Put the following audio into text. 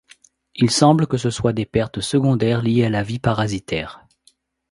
Il semble que ce soient des pertes secondaires liées à la vie parasitaire.